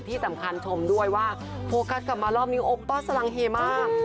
ที่สำคัญชมด้วยว่าโฟกัสกลับมารอบนี้โอป้อสลังเฮมาก